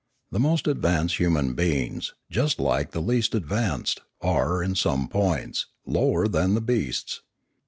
The most advanced human beings, just like the least ad vanced, are, in some points, lower than the beasts.